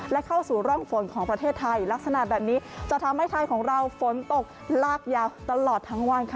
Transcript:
และเข้าสู่ร่องฝนของประเทศไทยลักษณะแบบนี้จะทำให้ไทยของเราฝนตกลากยาวตลอดทั้งวันค่ะ